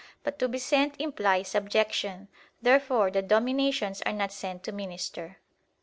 But to be sent implies subjection. Therefore the dominations are not sent to minister.